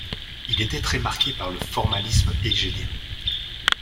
Il était très marqué par le formalisme hégélien.